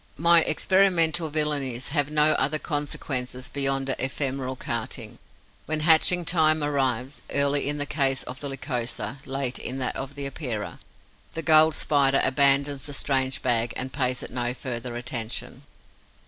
My experimental villainies have no other consequences beyond an ephemeral carting. When hatching time arrives, early in the case of the Lycosa, late in that of the Epeira, the gulled Spider abandons the strange bag and pays it no further attention.